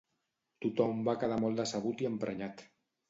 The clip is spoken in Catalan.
Tothom va quedar molt decebut i emprenyat.